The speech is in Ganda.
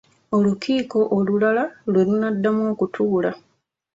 Olukiiko olulala lwe lunaddamu okutuula.